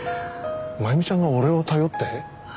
真弓ちゃんが俺を頼って？